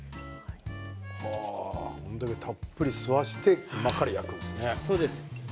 これだけたっぷり吸わせてから焼くんですね。